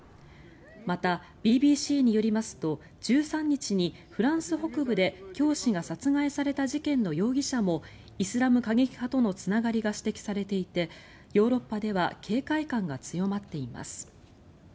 また、ＢＢＣによりますと１３日にフランス北部で教師が殺害された事件の容疑者もイスラム過激派とのつながりが指摘されていてヨーロッパでは警戒感が強まっています。